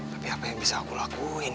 tapi apa yang bisa aku lakuin